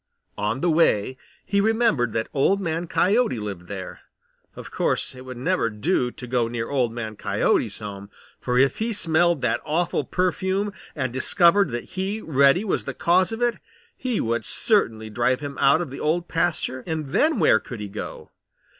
On the way he remembered that Old Man Coyote lived there. Of course it would never do to go near Old Man Coyote's home for if he smelled that awful perfume and discovered that he, Reddy, was the cause of it he would certainly drive him out of the Old Pasture and then where could he go?